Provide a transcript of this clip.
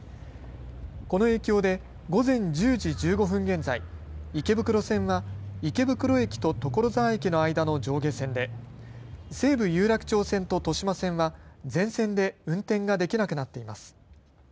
この影響で午前１０時１５分現在池袋線は池袋駅と所沢駅の間の上下線で西武有楽町線と豊島線は全線で運転ができなくなっています。